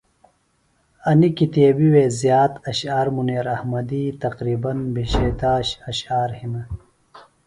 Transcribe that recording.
انیۡ کتیبی وے زیات اشعار منیر احمدی تقریبن بِھشے داش اشعار ہِنہ۔